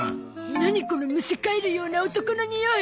何このむせ返るような男のにおい。